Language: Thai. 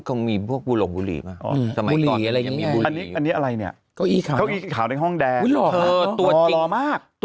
ก็มีพวกบุหรกบุหรี่มา